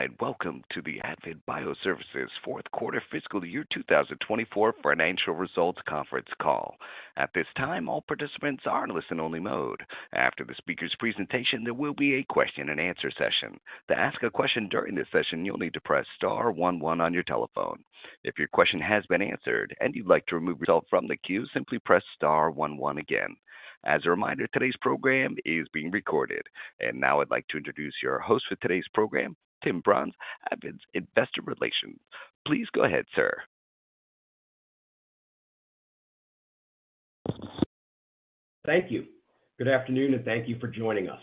Hi, and welcome to the Avid Bioservices fourth quarter fiscal year 2024 Financial Results Conference Call. At this time, all participants are in listen-only mode. After the speaker's presentation, there will be a question and answer session. To ask a question during this session, you'll need to press star one one on your telephone. If your question has been answered and you'd like to remove yourself from the queue, simply press star one one again. As a reminder, today's program is being recorded. Now I'd like to introduce your host for today's program, Tim Bruns, Avid's Investor Relations. Please go ahead, sir. Thank you. Good afternoon, and thank you for joining us.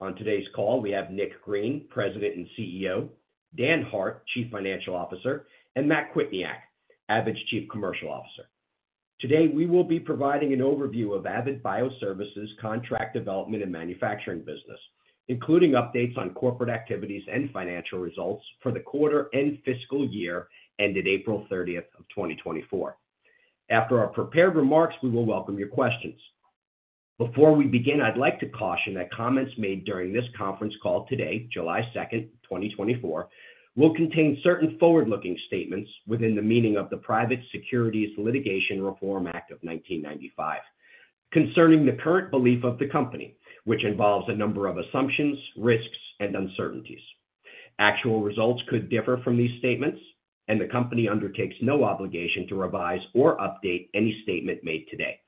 On today's call, we have Nick Green, President and CEO, Dan Hart, Chief Financial Officer, and Matt Kwietniak, Avid's Chief Commercial Officer. Today, we will be providing an overview of Avid Bioservices contract development and manufacturing business, including updates on corporate activities and financial results for the quarter and fiscal year ended April 30 of 2024. After our prepared remarks, we will welcome your questions. Before we begin, I'd like to caution that comments made during this conference call today, July 2, 2024, will contain certain forward-looking statements within the meaning of the Private Securities Litigation Reform Act of 1995, concerning the current belief of the company, which involves a number of assumptions, risks, and uncertainties. Actual results could differ from these statements, and the company undertakes no obligation to revise or update any statement made today.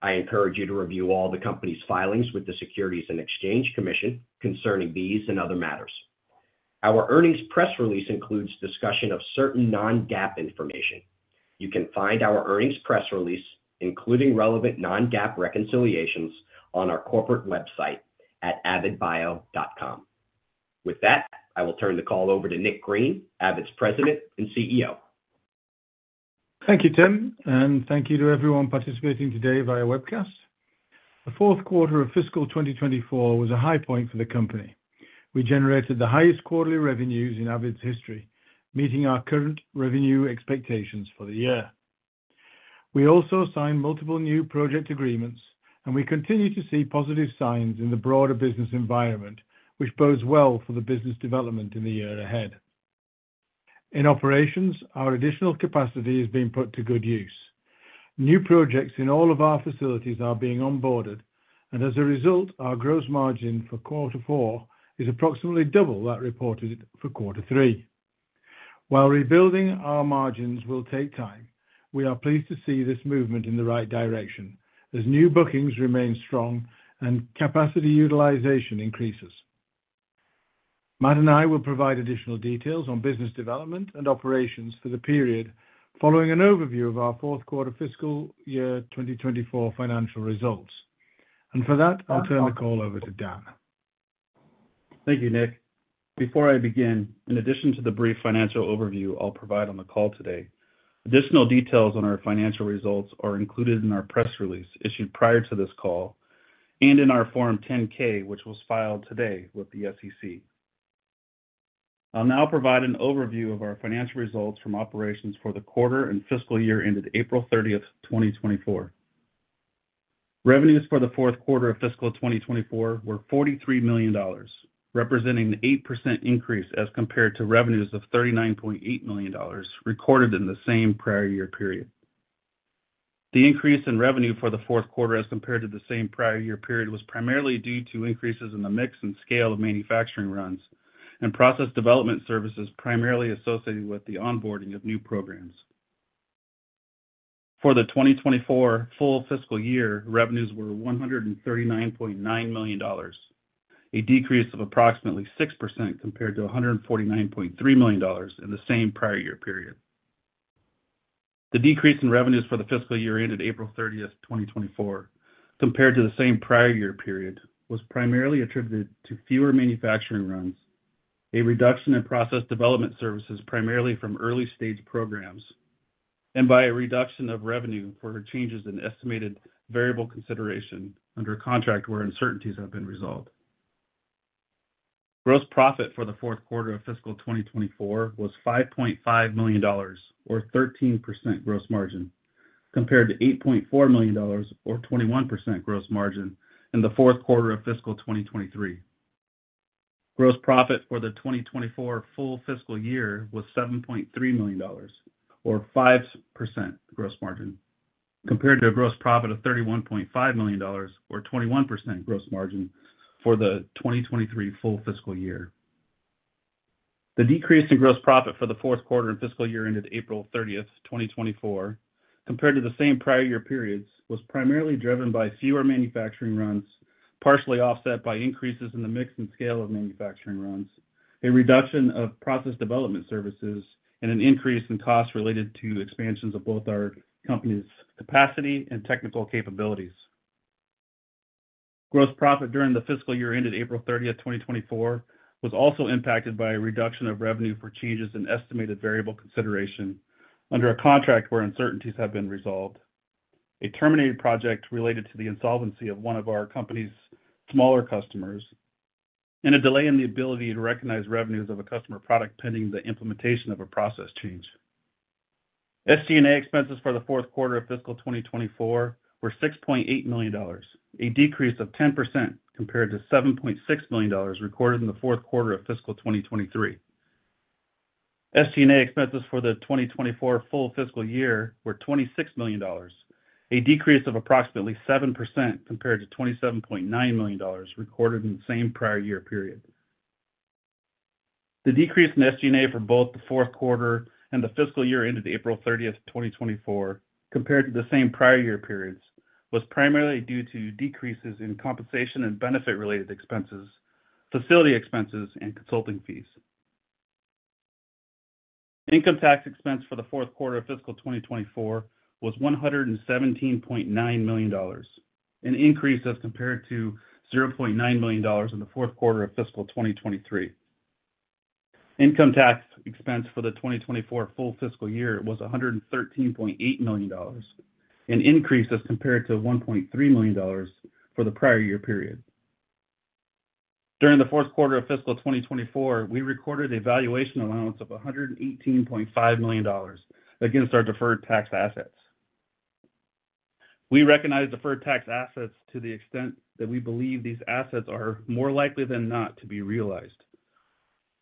I encourage you to review all the company's filings with the Securities and Exchange Commission concerning these and other matters. Our earnings press release includes discussion of certain non-GAAP information. You can find our earnings press release, including relevant non-GAAP reconciliations, on our corporate website at avidbio.com. With that, I will turn the call over to Nick Green, Avid's President and CEO. Thank you, Tim, and thank you to everyone participating today via webcast. The fourth quarter of fiscal 2024 was a high point for the company. We generated the highest quarterly revenues in Avid's history, meeting our current revenue expectations for the year. We also signed multiple new project agreements, and we continue to see positive signs in the broader business environment, which bodes well for the business development in the year ahead. In operations, our additional capacity is being put to good use. New projects in all of our facilities are being onboarded, and as a result, our gross margin for quarter four is approximately double that reported for quarter three. While rebuilding our margins will take time, we are pleased to see this movement in the right direction as new bookings remain strong and capacity utilization increases. Matt and I will provide addition al details on business development and operations for the period following an overview of our fourth quarter fiscal year 2024 financial results, and for that, I'll turn the call over to Dan. Thank you, Nick. Before I begin, in addition to the brief financial overview I'll provide on the call today, additional details on our financial results are included in our press release issued prior to this call and in our Form 10-K, which was filed today with the SEC. I'll now provide an overview of our financial results from operations for the quarter and fiscal year ended April 30, 2024. Revenues for the fourth quarter of fiscal 2024 were $43 million, representing an 8% increase as compared to revenues of $39.8 million recorded in the same prior year period. The increase in revenue for the fourth quarter as compared to the same prior year period was primarily due to increases in the mix and scale of manufacturing runs and process development services, primarily associated with the onboarding of new programs. For the 2024 full fiscal year, revenues were $139.9 million, a decrease of approximately 6% compared to $149.3 million in the same prior year period. The decrease in revenues for the fiscal year ended April 30, 2024, compared to the same prior year period, was primarily attributed to fewer manufacturing runs, a reduction in process development services primarily from early-stage programs, and by a reduction of revenue for changes in estimated variable consideration under a contract where uncertainties have been resolved. Gross profit for the fourth quarter of fiscal 2024 was $5.5 million, or 13% gross margin, compared to $8.4 million, or 21% gross margin in the fourth quarter of fiscal 2023. Gross profit for the 2024 full fiscal year was $7.3 million, or 5% gross margin, compared to a gross profit of $31.5 million or 21% gross margin for the 2023 full fiscal year. The decrease in gross profit for the fourth quarter and fiscal year ended April 30, 2024, compared to the same prior year periods, was primarily driven by fewer manufacturing runs, partially offset by increases in the mix and scale of manufacturing runs, a reduction of process development services, and an increase in costs related to expansions of both our company's capacity and technical capabilities. Gross profit during the fiscal year ended April 30, 2024, was also impacted by a reduction of revenue for changes in estimated variable consideration under a contract where uncertainties have been resolved, a terminated project related to the insolvency of one of our company's smaller customers, and a delay in the ability to recognize revenues of a customer product pending the implementation of a process change. SG&A expenses for the fourth quarter of fiscal 2024 were $6.8 million, a decrease of 10% compared to $7.6 million recorded in the fourth quarter of fiscal 2023. SG&A expenses for the 2024 full fiscal year were $26 million, a decrease of approximately 7% compared to $27.9 million recorded in the same prior year period. The decrease in SG&A for both the fourth quarter and the fiscal year ended April 30, 2024, compared to the same prior year periods, was primarily due to decreases in compensation and benefit-related expenses, facility expenses, and consulting fees. Income tax expense for the fourth quarter of fiscal 2024 was $117.9 million, an increase as compared to $0.9 million in the fourth quarter of fiscal 2023. Income tax expense for the 2024 full fiscal year was $113.8 million, an increase as compared to $1.3 million for the prior year period. During the fourth quarter of fiscal 2024, we recorded a valuation allowance of $118.5 million against our deferred tax assets. We recognize deferred tax assets to the extent that we believe these assets are more likely than not to be realized.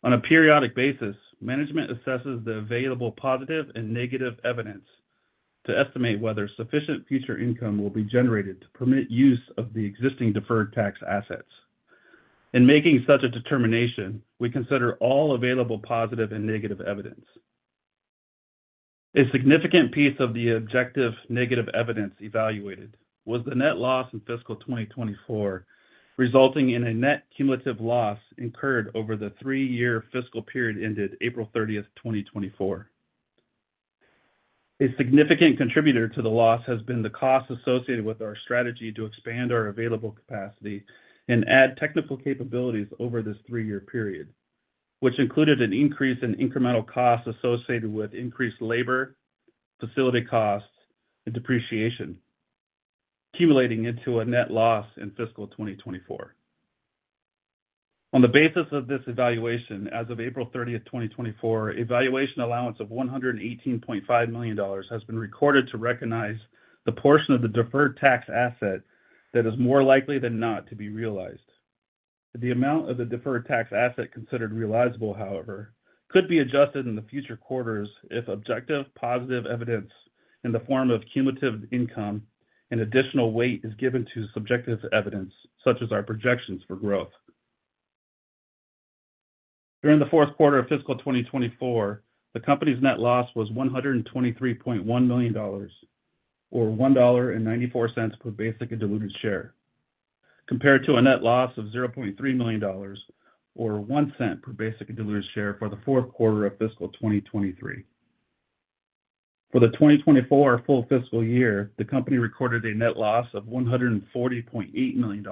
On a periodic basis, management assesses the available positive and negative evidence to estimate whether sufficient future income will be generated to permit use of the existing deferred tax assets. In making such a determination, we consider all available positive and negative evidence. A significant piece of the objective negative evidence evaluated was the net loss in fiscal 2024, resulting in a net cumulative loss incurred over the three-year fiscal period ended April 30th, 2024. A significant contributor to the loss has been the costs associated with our strategy to expand our available capacity and add technical capabilities over this three-year period, which included an increase in incremental costs associated with increased labor, facility costs, and depreciation, accumulating into a net loss in fiscal 2024. On the basis of this evaluation, as of April 30, 2024, a valuation allowance of $118.5 million has been recorded to recognize the portion of the deferred tax asset that is more likely than not to be realized. The amount of the deferred tax asset considered realizable, however, could be adjusted in the future quarters if objective, positive evidence in the form of cumulative income and additional weight is given to subjective evidence, such as our projections for growth. During the fourth quarter of fiscal 2024, the company's net loss was $123.1 million, or $1.94 per basic and diluted share, compared to a net loss of $0.3 million, or $0.01 per basic and diluted share for the fourth quarter of fiscal 2023. For the 2024 full fiscal year, the company recorded a net loss of $140.8 million,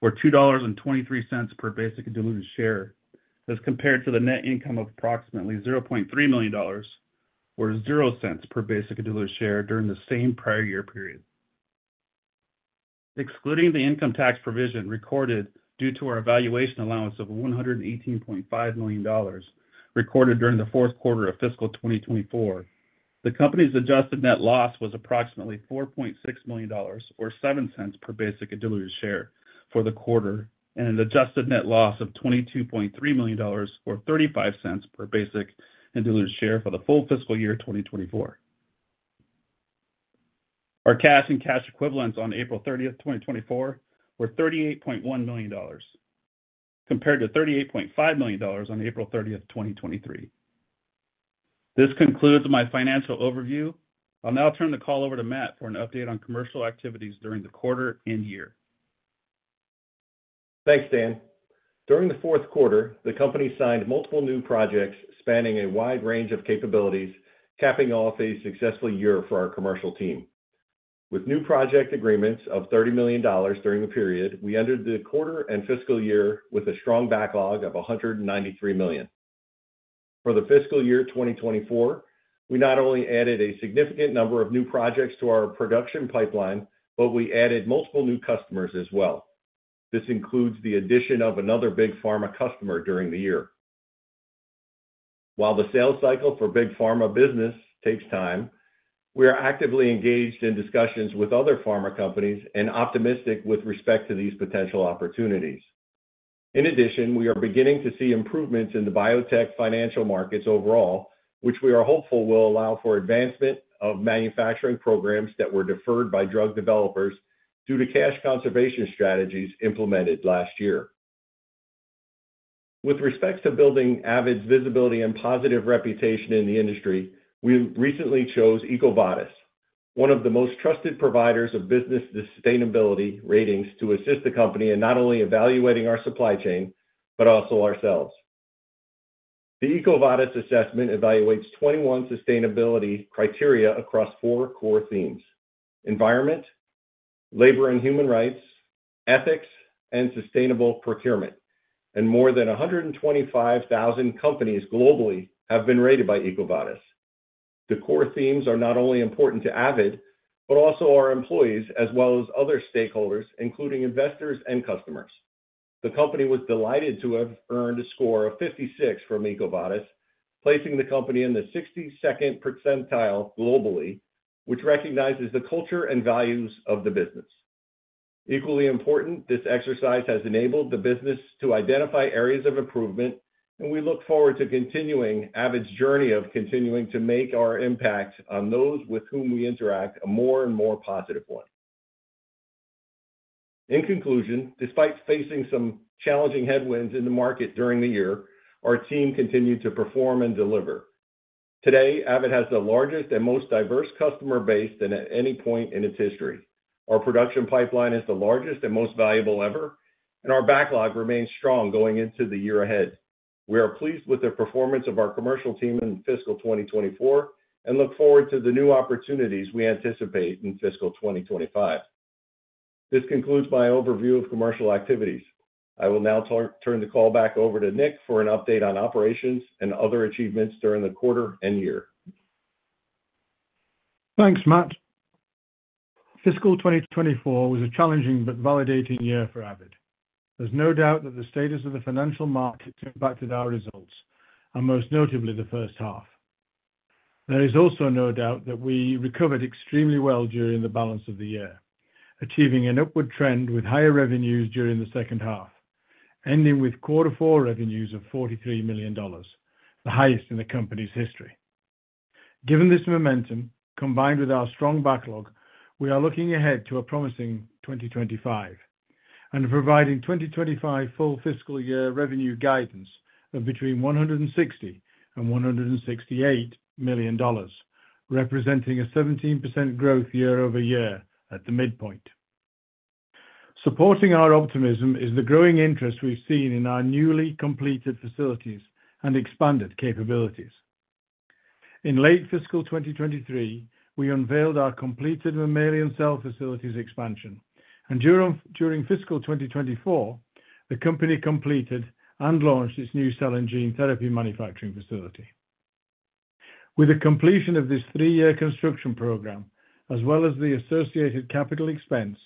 or $2.23 per basic and diluted share, as compared to the net income of approximately $0.3 million, or 0 cents per basic and diluted share during the same prior year period. Excluding the income tax provision recorded due to our valuation allowance of $118.5 million recorded during the fourth quarter of fiscal 2024, the company's adjusted net loss was approximately $4.6 million or 7 cents per basic and diluted share for the quarter, and an adjusted net loss of $22.3 million, or 35 cents per basic and diluted share for the full fiscal year 2024. Our cash and cash equivalents on April 30, 2024, were $38.1 million, compared to $38.5 million on April 30, 2023. This concludes my financial overview. I'll now turn the call over to Matt for an update on commercial activities during the quarter and year. Thanks, Dan. During the fourth quarter, the company signed multiple new projects spanning a wide range of capabilities, capping off a successful year for our commercial team. With new project agreements of $30 million during the period, we entered the quarter and fiscal year with a strong backlog of $193 million. For the fiscal year 2024, we not only added a significant number of new projects to our production pipeline, but we added multiple new customers as well. This includes the addition of another big pharma customer during the year. While the sales cycle for big pharma business takes time, we are actively engaged in discussions with other pharma companies and optimistic with respect to these potential opportunities. In addition, we are beginning to see improvements in the biotech financial markets overall, which we are hopeful will allow for advancement of manufacturing programs that were deferred by drug developers due to cash conservation strategies implemented last year. With respect to building Avid's visibility and positive reputation in the industry, we recently chose EcoVadis, one of the most trusted providers of business sustainability ratings, to assist the company in not only evaluating our supply chain, but also ourselves. The EcoVadis assessment evaluates 21 sustainability criteria across four core themes: environment, labor and human rights, ethics, and sustainable procurement. More than 125,000 companies globally have been rated by EcoVadis. The core themes are not only important to Avid, but also our employees as well as other stakeholders, including investors and customers. The company was delighted to have earned a score of 56 from EcoVadis, placing the company in the 62nd percentile globally, which recognizes the culture and values of the business. Equally important, this exercise has enabled the business to identify areas of improvement, and we look forward to continuing Avid's journey of continuing to make our impact on those with whom we interact a more and more positive one. In conclusion, despite facing some challenging headwinds in the market during the year, our team continued to perform and deliver. Today, Avid has the largest and most diverse customer base than at any point in its history. Our production pipeline is the largest and most valuable ever, and our backlog remains strong going into the year ahead. We are pleased with the performance of our commercial team in fiscal 2024 and look forward to the new opportunities we anticipate in fiscal 2025. This concludes my overview of commercial activities. I will now turn the call back over to Nick for an update on operations and other achievements during the quarter and year. Thanks, Matt. Fiscal 2024 was a challenging but validating year for Avid. There's no doubt that the status of the financial market impacted our results, and most notably, the first half. There is also no doubt that we recovered extremely well during the balance of the year, achieving an upward trend with higher revenues during the second half, ending with quarter four revenues of $43 million, the highest in the company's history. Given this momentum, combined with our strong backlog, we are looking ahead to a promising 2025 and providing 2025 full fiscal year revenue guidance of between $160 million and $168 million, representing 17% growth year-over-year at the midpoint. Supporting our optimism is the growing interest we've seen in our newly completed facilities and expanded capabilities. In late fiscal 2023, we unveiled our completed mammalian cell facilities expansion, and during fiscal 2024, the company completed and launched its new cell and gene therapy manufacturing facility. With the completion of this three-year construction program, as well as the associated capital expense,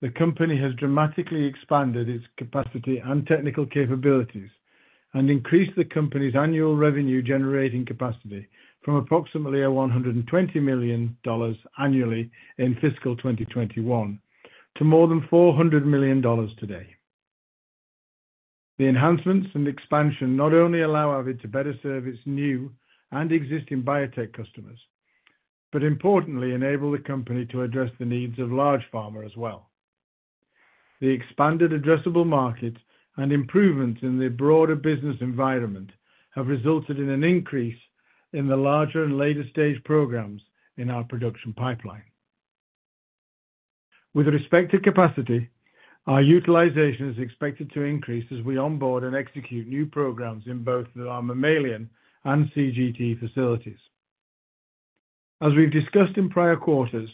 the company has dramatically expanded its capacity and technical capabilities and increased the company's annual revenue-generating capacity from approximately $120 million annually in fiscal 2021 to more than $400 million today. The enhancements and expansion not only allow Avid to better serve its new and existing biotech customers, but importantly, enable the company to address the needs of large pharma as well. The expanded addressable market and improvements in the broader business environment have resulted in an increase in the larger and later-stage programs in our production pipeline. With respect to capacity, our utilization is expected to increase as we onboard and execute new programs in both our mammalian and CGT facilities. As we've discussed in prior quarters,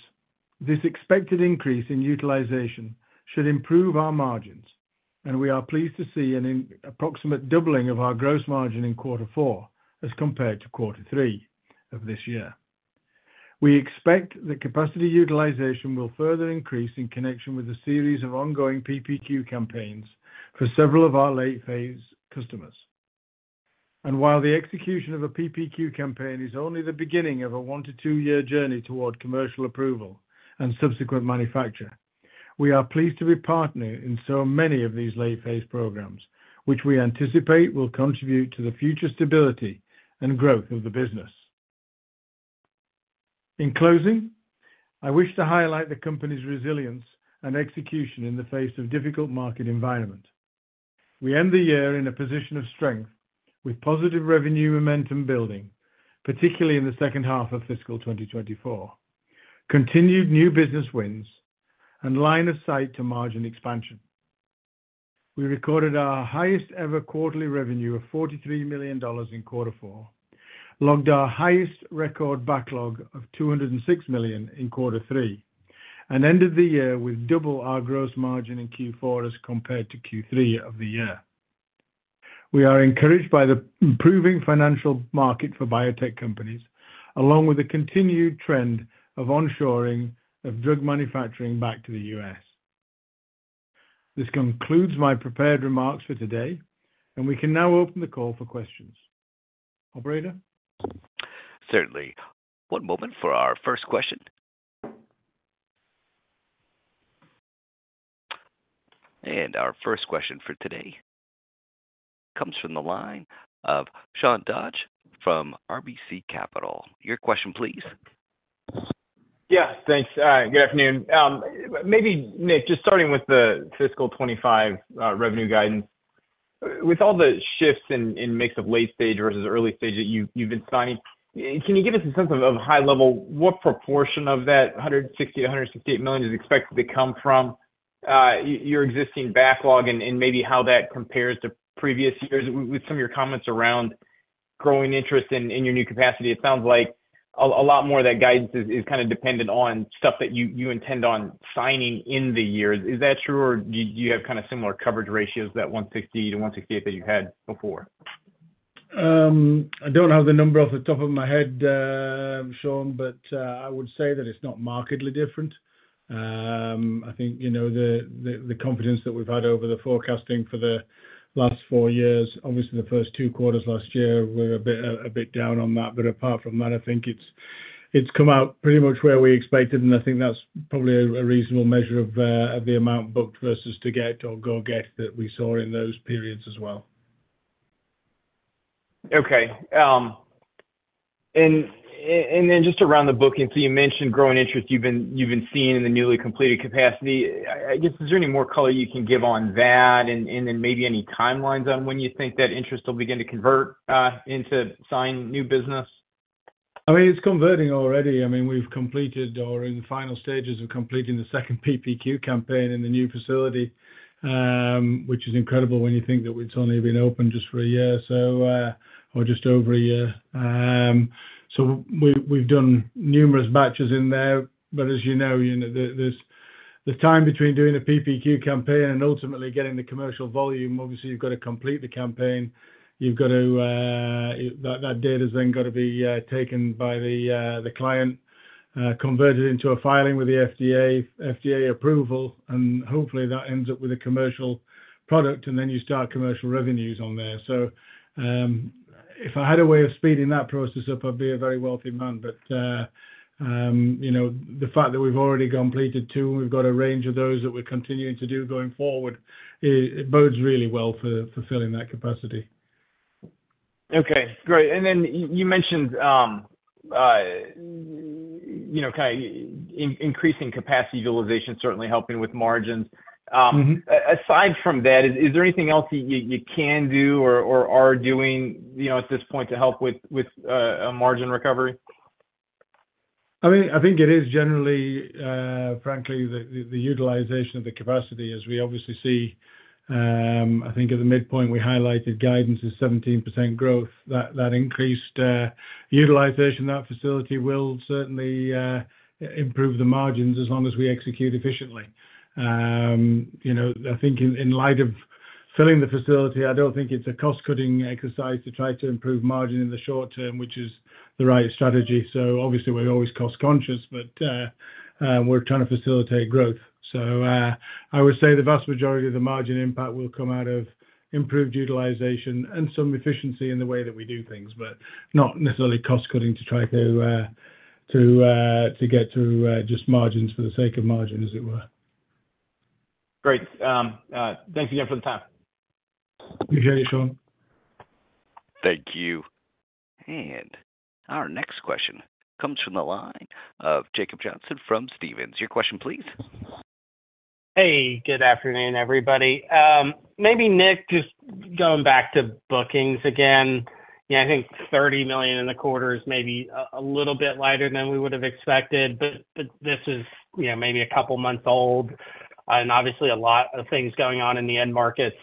this expected increase in utilization should improve our margins, and we are pleased to see an approximate doubling of our gross margin in quarter four as compared to quarter three of this year. We expect the capacity utilization will further increase in connection with a series of ongoing PPQ campaigns for several of our late-phase customers. While the execution of a PPQ campaign is only the beginning of a 1- to 2-year journey toward commercial approval and subsequent manufacture, we are pleased to be partnering in so many of these late-phase programs, which we anticipate will contribute to the future stability and growth of the business. In closing, I wish to highlight the company's resilience and execution in the face of difficult market environment. We end the year in a position of strength, with positive revenue momentum building, particularly in the second half of fiscal 2024, continued new business wins, and line of sight to margin expansion. We recorded our highest ever quarterly revenue of $43 million in quarter four, logged our highest record backlog of $206 million in quarter three, and ended the year with double our gross margin in Q4 as compared to Q3 of the year. We are encouraged by the improving financial market for biotech companies, along with the continued trend of onshoring of drug manufacturing back to the U.S. This concludes my prepared remarks for today, and we can now open the call for questions. Operator? Certainly. One moment for our first question. Our first question for today comes from the line of Sean Dodge from RBC Capital. Your question, please. Yeah, thanks. Good afternoon. Maybe, Nick, just starting with the fiscal 2025 revenue guidance. With all the shifts in mix of late stage versus early stage that you've been signing, can you give us a sense of high level, what proportion of that $160 million-$168 million is expected to come from your existing backlog? And maybe how that compares to previous years. With some of your comments around growing interest in your new capacity, it sounds like a lot more of that guidance is kind of dependent on stuff that you intend on signing in the year. Is that true, or do you have kind of similar coverage ratios, that $160-$168 that you had before? I don't have the number off the top of my head, Sean, but I would say that it's not markedly different. I think, you know, the confidence that we've had over the forecasting for the last four years, obviously, the first two quarters last year were a bit, a bit down on that. But apart from that, I think it's come out pretty much where we expected, and I think that's probably a reasonable measure of the amount booked versus to get or go get that we saw in those periods as well. Okay. And then just around the bookings, so you mentioned growing interest you've been seeing in the newly completed capacity. I guess, is there any more color you can give on that? And then maybe any timelines on when you think that interest will begin to convert into signed new business? I mean, it's converting already. I mean, we've completed or are in the final stages of completing the second PPQ campaign in the new facility, which is incredible when you think that it's only been open just for a year, so, or just over a year. So we've done numerous batches in there, but as you know, you know, the time between doing a PPQ campaign and ultimately getting the commercial volume, obviously, you've got to complete the campaign. You've got to, that data's then gotta be taken by the client, converted into a filing with the FDA, FDA approval, and hopefully that ends up with a commercial product, and then you start commercial revenues on there. So, if I had a way of speeding that process up, I'd be a very wealthy man. You know, the fact that we've already completed two, and we've got a range of those that we're continuing to do going forward, it bodes really well for fulfilling that capacity. Okay, great. And then you mentioned, you know, kind increasing capacity utilization, certainly helping with margins. Mm-hmm. Aside from that, is there anything else that you can do or are doing, you know, at this point to help with a margin recovery? I mean, I think it is generally, frankly, the utilization of the capacity as we obviously see. I think at the midpoint, we highlighted guidance is 17% growth. That increased utilization, that facility will certainly improve the margins as long as we execute efficiently. You know, I think in light of filling the facility, I don't think it's a cost-cutting exercise to try to improve margin in the short term, which is the right strategy. So obviously, we're always cost conscious, but we're trying to facilitate growth. So, I would say the vast majority of the margin impact will come out of improved utilization and some efficiency in the way that we do things, but not necessarily cost cutting to try to get to just margins for the sake of margin, as it were. Great. Thanks again for the time. Appreciate it, Sean. Thank you. Our next question comes from the line of Jacob Johnson from Stephens. Your question, please. Hey, good afternoon, everybody. Maybe, Nick, just going back to bookings again. Yeah, I think $30 million in the quarter is maybe a little bit lighter than we would have expected, but this is, you know, maybe a couple of months old, and obviously a lot of things going on in the end markets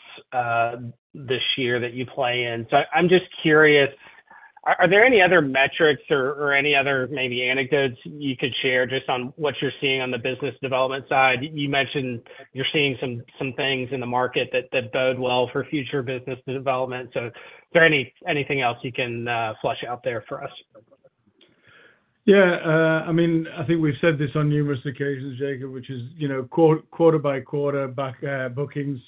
this year that you play in. So I'm just curious, are there any other metrics or any other maybe anecdotes you could share just on what you're seeing on the business development side? You mentioned you're seeing some things in the market that bode well for future business development. So is there anything else you can flush out there for us? Yeah, I mean, I think we've said this on numerous occasions, Jacob, which is, you know, quarter by quarter, bookings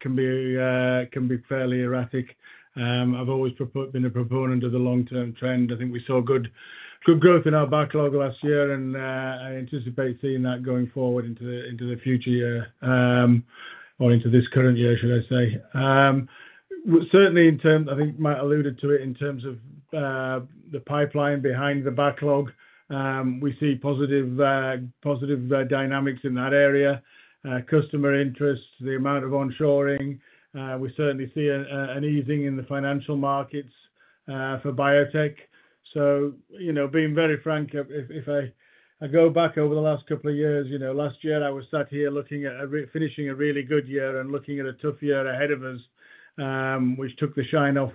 can be fairly erratic. I've always been a proponent of the long-term trend. I think we saw good growth in our backlog last year, and I anticipate seeing that going forward into the future year, or into this current year, should I say. Certainly in terms... I think Matt alluded to it, in terms of the pipeline behind the backlog, we see positive dynamics in that area, customer interest, the amount of onshoring. We certainly see an easing in the financial markets for biotech. So, you know, being very frank, if I go back over the last couple of years, you know, last year I was sat here looking at finishing a really good year and looking at a tough year ahead of us, which took the shine off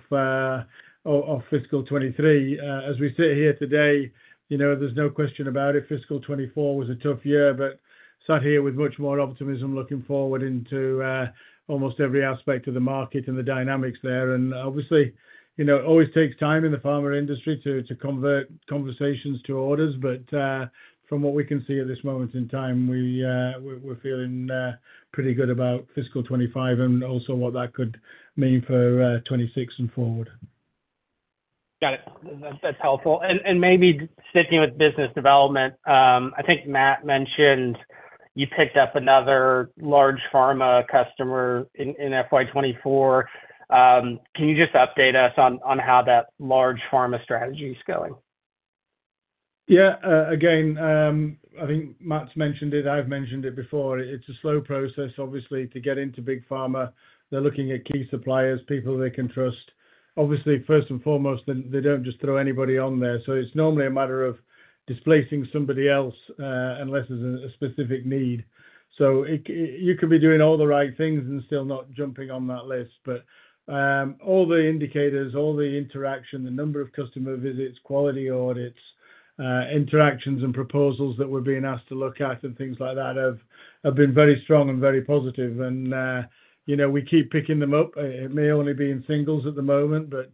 fiscal 2023. As we sit here today, you know, there's no question about it, fiscal 2024 was a tough year, but sat here with much more optimism, looking forward into almost every aspect of the market and the dynamics there. And obviously, you know, it always takes time in the pharma industry to convert conversations to orders, but from what we can see at this moment in time, we're feeling pretty good about fiscal 2025 and also what that could mean for 2026 and forward. Got it. That's helpful. And maybe sticking with business development, I think Matt mentioned you picked up another large pharma customer in FY 2024. Can you just update us on how that large pharma strategy is going? Yeah. Again, I think Matt's mentioned it. I've mentioned it before. It's a slow process, obviously, to get into big pharma. They're looking at key suppliers, people they can trust. Obviously, first and foremost, they don't just throw anybody on there, so it's normally a matter of displacing somebody else, unless there's a specific need. So it, you could be doing all the right things and still not jumping on that list. But, all the indicators, all the interaction, the number of customer visits, quality audits, interactions and proposals that we're being asked to look at and things like that have been very strong and very positive. And, you know, we keep picking them up. It may only be in singles at the moment, but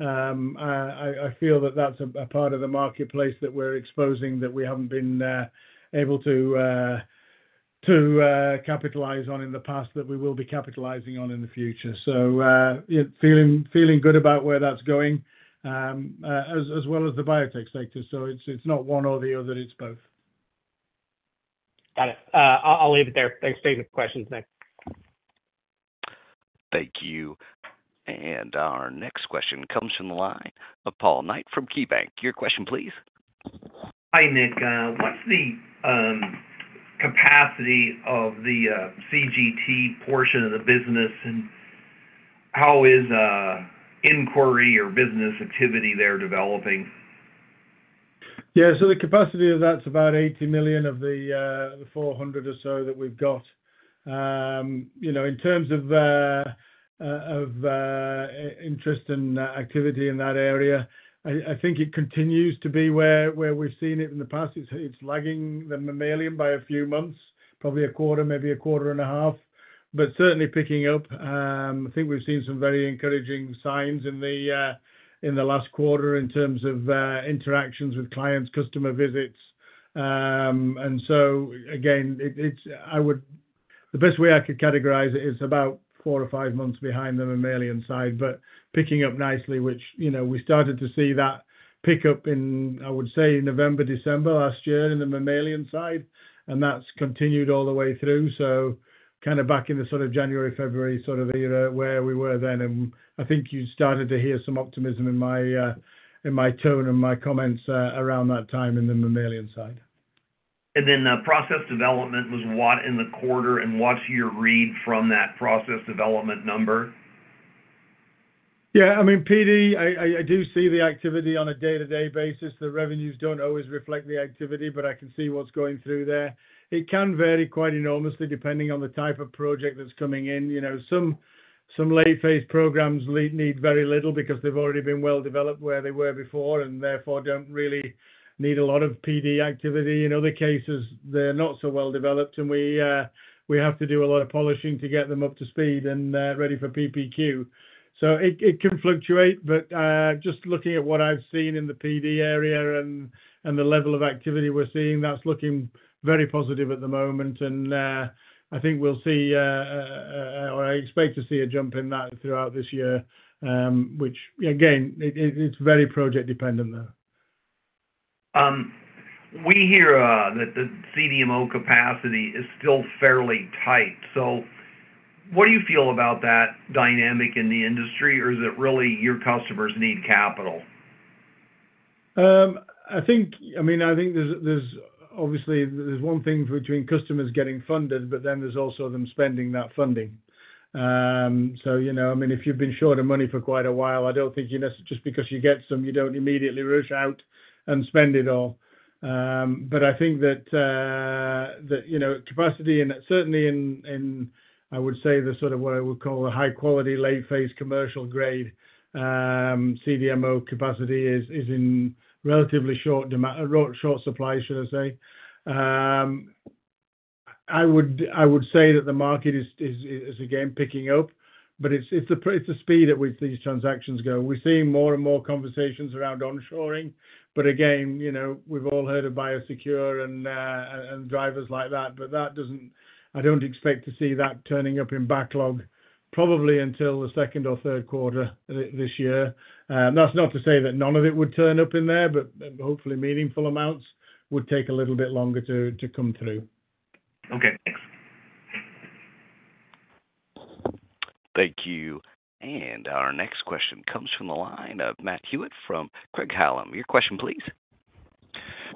I feel that that's a part of the marketplace that we're exposing, that we haven't been able to capitalize on in the past, that we will be capitalizing on in the future. Yeah, feeling good about where that's going, as well as the biotech sector. So it's not one or the other. It's both. Got it. I'll, I'll leave it there. Thanks for taking the questions, Nick. Thank you. And our next question comes from the line of Paul Knight from KeyBanc. Your question, please? Hi, Nick. What's the capacity of the CGT portion of the business, and how is inquiry or business activity there developing? Yeah, so the capacity of that's about 80 million of the, the 400 or so that we've got. You know, in terms of, of, interest and, activity in that area, I think it continues to be where we've seen it in the past. It's lagging the mammalian by a few months, probably a quarter, maybe a quarter and a half, but certainly picking up. I think we've seen some very encouraging signs in the, in the last quarter in terms of, interactions with clients, customer visits. And so again, it's the best way I could categorize it, it's about four or five months behind the mammalian side, but picking up nicely, which, you know, we started to see that pick up in, I would say, November, December last year in the mammalian side, and that's continued all the way through. So kind of back in the sort of January, February, sort of, era, where we were then, and I think you started to hear some optimism in my tone and my comments around that time in the mammalian side. And then, process development was what in the quarter, and what's your read from that process development number? Yeah, I mean, PD, I do see the activity on a day-to-day basis. The revenues don't always reflect the activity, but I can see what's going through there. It can vary quite enormously depending on the type of project that's coming in. You know, some late phase programs need very little because they've already been well developed where they were before, and therefore, don't really need a lot of PD activity. In other cases, they're not so well developed, and we have to do a lot of polishing to get them up to speed, and ready for PPQ. So it can fluctuate, but just looking at what I've seen in the PD area and the level of activity we're seeing, that's looking very positive at the moment. I think we'll see, or I expect to see a jump in that throughout this year, which, again, it's very project dependent, though. We hear that the CDMO capacity is still fairly tight, so what do you feel about that dynamic in the industry, or is it really your customers need capital? I think, I mean, I think there's obviously one thing between customers getting funded, but then there's also them spending that funding. So you know, I mean, if you've been short of money for quite a while, I don't think, you know, just because you get some, you don't immediately rush out and spend it all. But I think that you know, capacity, and certainly in, in, I would say, the sort of what I would call a high quality, late phase, commercial grade, CDMO capacity, is in relatively short demand, short supply, should I say. I would say that the market is again picking up, but it's, it's a speed at which these transactions go. We're seeing more and more conversations around onshoring, but again, you know, we've all heard of BioSecure and drivers like that, but that doesn't... I don't expect to see that turning up in backlog, probably until the second or third quarter this year. That's not to say that none of it would turn up in there, but hopefully, meaningful amounts would take a little bit longer to come through. Okay, thanks. Thank you. Our next question comes from the line of Matt Hewitt from Craig-Hallum. Your question, please.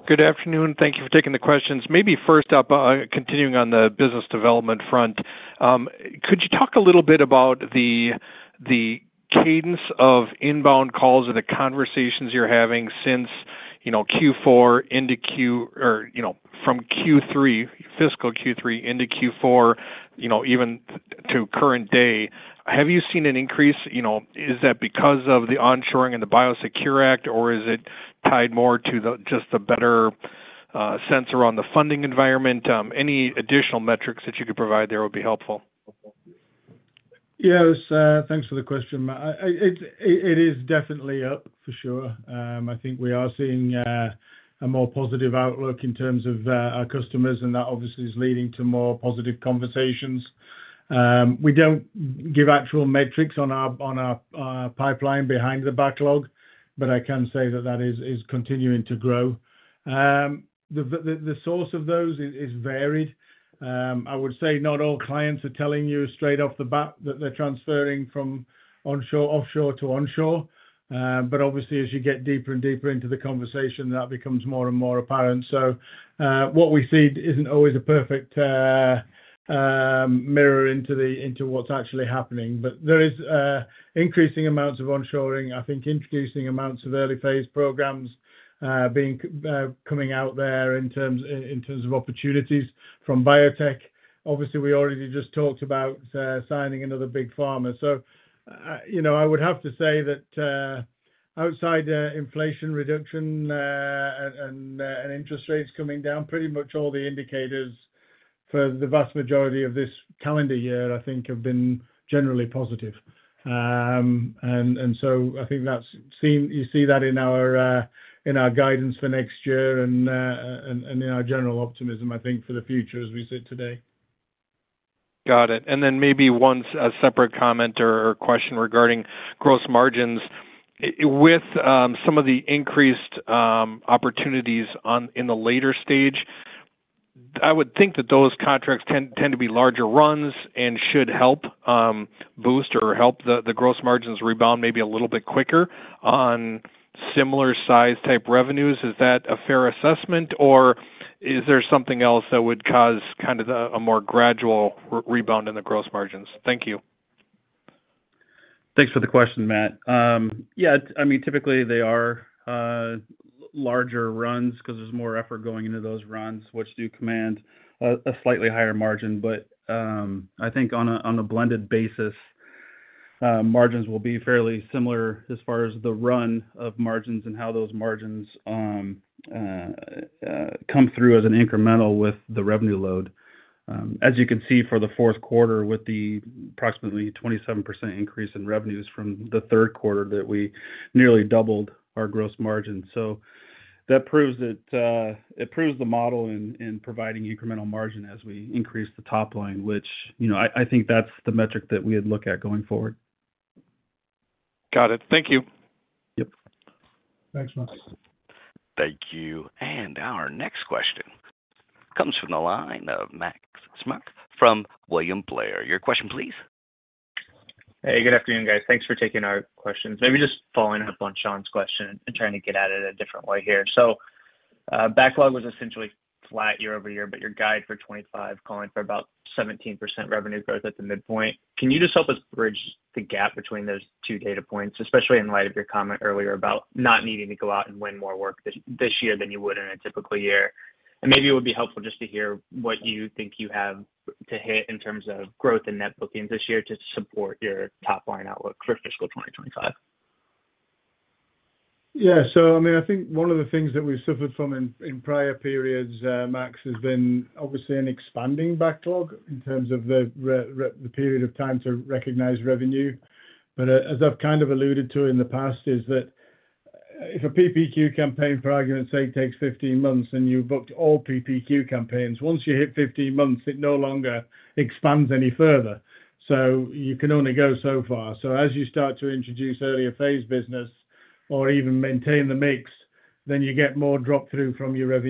Good afternoon. Thank you for taking the questions. Maybe first up, continuing on the business development front, could you talk a little bit about the, the cadence of inbound calls and the conversations you're having since, you know, Q4 into Q-- or, you know, from Q3, fiscal Q3 into Q4, you know, even to current day? Have you seen an increase? You know, is that because of the onshoring and the BIOSECURE Act, or is it tied more to the, just the better, sensor on the funding environment? Any additional metrics that you could provide there would be helpful. Yes, thanks for the question, Matt. It is definitely up, for sure. I think we are seeing a more positive outlook in terms of our customers, and that obviously is leading to more positive conversations. We don't give actual metrics on our pipeline behind the backlog, but I can say that is continuing to grow. The source of those is varied. I would say not all clients are telling you straight off the bat that they're transferring from onshore, offshore to onshore. But obviously, as you get deeper and deeper into the conversation, that becomes more and more apparent. So, what we see isn't always a perfect mirror into what's actually happening. But there is increasing amounts of onshoring. I think increasing amounts of early phase programs being coming out there in terms of opportunities from biotech. Obviously, we already just talked about signing another big pharma. So, you know, I would have to say that, outside the inflation reduction and interest rates coming down, pretty much all the indicators for the vast majority of this calendar year, I think, have been generally positive. And so I think that's seen—you see that in our guidance for next year and in our general optimism, I think, for the future as we sit today. Got it. And then maybe one separate comment or question regarding gross margins. With some of the increased opportunities in the later stage, I would think that those contracts tend to be larger runs and should help boost or help the gross margins rebound maybe a little bit quicker on similar size type revenues. Is that a fair assessment, or is there something else that would cause kind of a more gradual rebound in the gross margins? Thank you. Thanks for the question, Matt. Yeah, I mean, typically they are larger runs because there's more effort going into those runs, which do command a slightly higher margin. But I think on a blended basis, margins will be fairly similar as far as the run of margins and how those margins come through as an incremental with the revenue load. As you can see for the fourth quarter, with the approximately 27% increase in revenues from the third quarter, that we nearly doubled our gross margin. So that proves that it proves the model in providing incremental margin as we increase the top line, which, you know, I think that's the metric that we would look at going forward. Got it. Thank you. Yep. Thanks, Matt. Thank you. Our next question comes from the line of Max Smock from William Blair. Your question, please. Hey, good afternoon, guys. Thanks for taking our questions. Maybe just following up on Sean's question and trying to get at it a different way here. So, backlog was essentially flat year-over-year, but your guide for 25, calling for about 17% revenue growth at the midpoint. Can you just help us bridge the gap between those two data points, especially in light of your comment earlier about not needing to go out and win more work this, this year than you would in a typical year? And maybe it would be helpful just to hear what you think you have to hit in terms of growth in net bookings this year to support your top line outlook for fiscal 2025. Yeah. So I mean, I think one of the things that we suffered from in prior periods, Max, has been obviously an expanding backlog in terms of the period of time to recognize revenue. But as I've kind of alluded to in the past, is that if a PPQ campaign, for argument's sake, takes 15 months and you've booked all PPQ campaigns, once you hit 15 months, it no longer expands any further. So you can only go so far. So as you start to introduce earlier phase business or even maintain the mix, then you get more drop through from your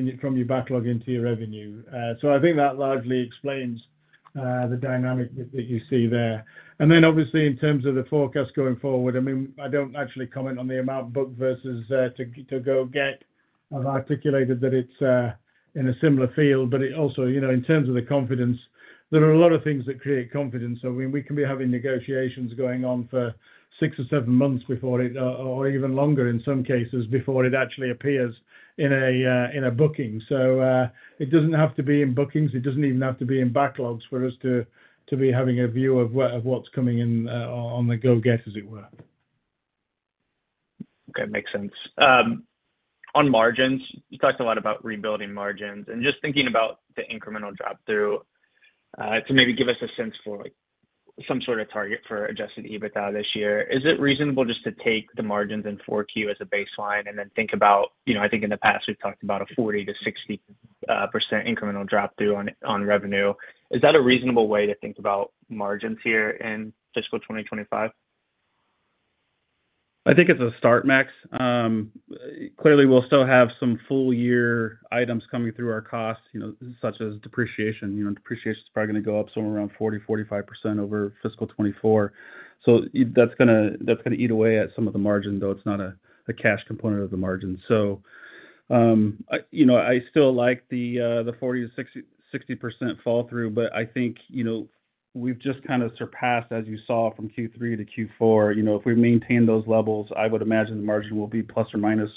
backlog into your revenue. So I think that largely explains the dynamic that you see there. And then obviously, in terms of the forecast going forward, I mean, I don't actually comment on the amount booked versus to go get. I've articulated that it's in a similar field, but it also, you know, in terms of the confidence, there are a lot of things that create confidence. So we can be having negotiations going on for six or seven months before it or even longer in some cases, before it actually appears in a booking. So it doesn't have to be in bookings, it doesn't even have to be in backlogs for us to be having a view of what of what's coming in on the go get, as it were. Okay, makes sense. On margins, you talked a lot about rebuilding margins and just thinking about the incremental drop through to maybe give us a sense for, like, some sort of target for Adjusted EBITDA this year. Is it reasonable just to take the margins in Q4 as a baseline and then think about, you know, I think in the past we've talked about a 40-60% incremental drop through on revenue. Is that a reasonable way to think about margins here in fiscal 2025? I think it's a start, Max. Clearly, we'll still have some full year items coming through our costs, you know, such as depreciation. You know, depreciation is probably gonna go up somewhere around 40-45% over fiscal 2024. So that's gonna, that's gonna eat away at some of the margin, though it's not a, a cash component of the margin. So, I, you know, I still like the, the 40%-60% fall through, but I think, you know, we've just kind of surpassed, as you saw from Q3 to Q4. You know, if we maintain those levels, I would imagine the margin will be ±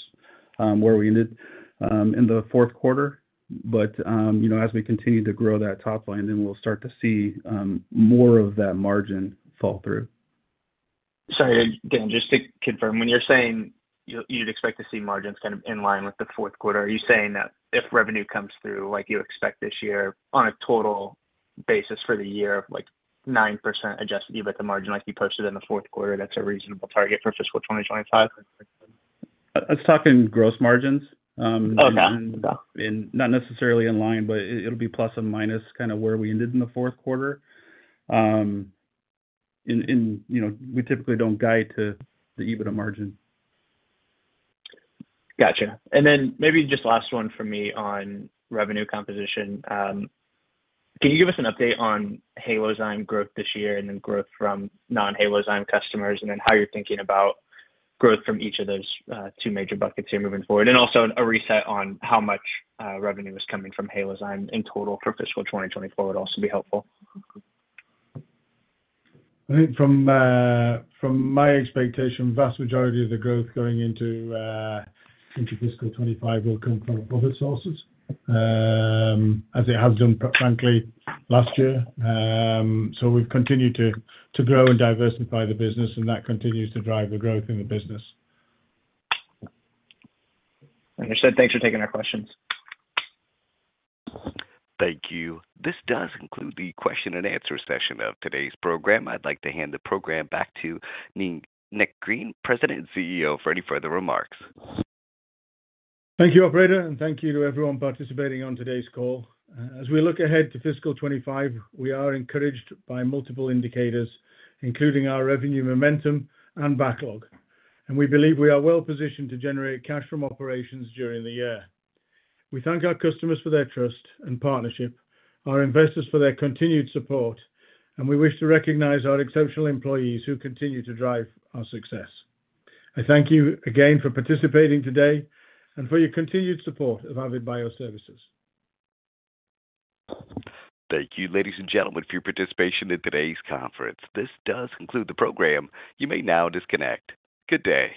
where we ended, in the fourth quarter. But, you know, as we continue to grow that top line, then we'll start to see, more of that margin fall through. Sorry, again, just to confirm, when you're saying you'd expect to see margins kind of in line with the fourth quarter, are you saying that if revenue comes through like you expect this year on a total basis for the year, like 9% Adjusted EBITDA margin, like you posted in the fourth quarter, that's a reasonable target for fiscal 2025? I was talking gross margins. Okay. Not necessarily in line, but it, it'll be plus or minus, kind of where we ended in the fourth quarter. You know, we typically don't guide to the EBITDA margin. Gotcha. And then maybe just last one for me on revenue composition. Can you give us an update on Halozyme growth this year and then growth from non-Halozyme customers, and then how you're thinking about growth from each of those two major buckets here moving forward? And also a reset on how much revenue is coming from Halozyme in total for fiscal 2024 would also be helpful. I think from my expectation, vast majority of the growth going into fiscal 2025 will come from other sources, as they have done, frankly, last year. So we've continued to grow and diversify the business, and that continues to drive the growth in the business. Understood. Thanks for taking our questions. Thank you. This does conclude the question and answer session of today's program. I'd like to hand the program back to Nick, Nick Green, President and CEO, for any further remarks. Thank you, operator, and thank you to everyone participating on today's call. As we look ahead to fiscal 2025, we are encouraged by multiple indicators, including our revenue, momentum, and backlog. We believe we are well positioned to generate cash from operations during the year. We thank our customers for their trust and partnership, our investors for their continued support, and we wish to recognize our exceptional employees who continue to drive our success. I thank you again for participating today and for your continued support of Avid Bioservices. Thank you, ladies and gentlemen, for your participation in today's conference. This does conclude the program. You may now disconnect. Good day!